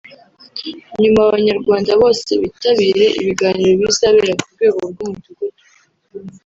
nyuma Abanyarwanda bose bitabire ibiganiro bizabera ku rwego rw’umudugudu